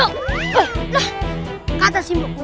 lah kata si mbok